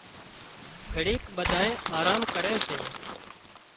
گھڙيڪ ٻڌانئين آرام ڪري سي